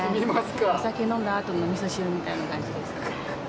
お酒飲んだあとのおみそ汁みたいな。